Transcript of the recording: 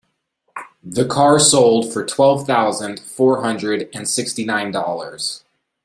The car sold for twelve thousand four hundred and sixty nine dollars.